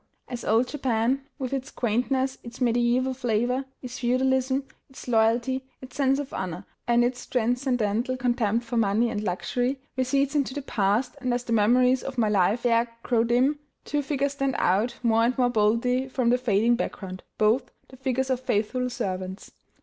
As old Japan, with its quaintness, its mediæval flavor, its feudalism, its loyalty, its sense of honor, and its transcendental contempt for money and luxury, recedes into the past, and as the memories of my life there grow dim, two figures stand out more and more boldly from the fading background, both, the figures of faithful servants.